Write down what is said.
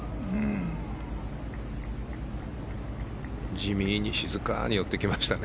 地味に静かに寄っていきましたね。